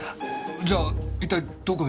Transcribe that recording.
じゃあ一体どこへ？